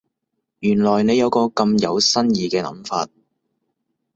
原來你有個咁有新意嘅諗法